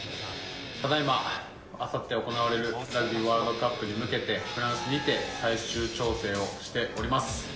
ただいま、あさって行われるラグビーワールドカップに向けて、フランスにて、最終調整をしております。